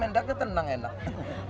menyumbangkan mendaknya tenang enak